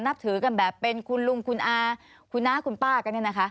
นับถือกันแบบเป็นคุณลุงคุณอาคุณน้าคุณป้ากัน